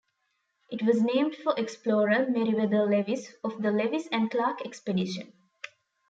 It was named for explorer Meriwether Lewis of the Lewis and Clark expedition.